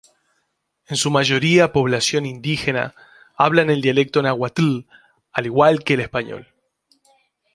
En su mayoría población indígena hablan el dialecto Nahuatl al igual que el español.